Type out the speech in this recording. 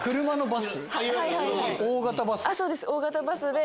車のバス？